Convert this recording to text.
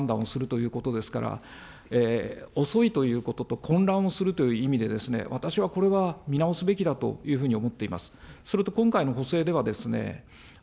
その中で９６０万円の主たる生計者の収入を中心に判断をするということですから、遅いということと、混乱をするという意味で、私はこれは、見直すべきだというふうに思っています。